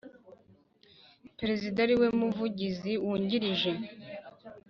Perezida Ari We Muvugizi Wungirije